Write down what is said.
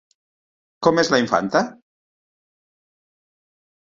Com és la infanta?